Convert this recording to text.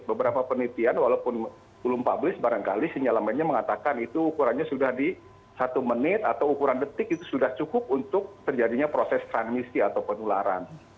beberapa penelitian walaupun belum publish barangkali sinyal lamanya mengatakan itu ukurannya sudah di satu menit atau ukuran detik itu sudah cukup untuk terjadinya proses transmisi atau penularan